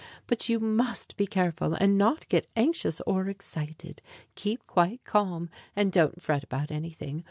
But you must be careful, and not get anxious or excited. Keep quite calm, and don't fret about anything.